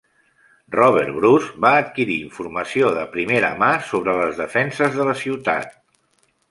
Robert Bruce va adquirir informació de primera mà sobre les defenses de la ciutat.